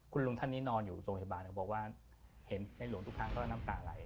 คุณลุงท่านนอนอยู่โรงพยาบาลบอกว่าเคยเห็นในหลวงทุกข้างมีน้ำตาลัย